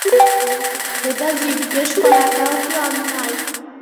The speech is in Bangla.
এটা জিজ্ঞেস করাটাও কি অন্যায়?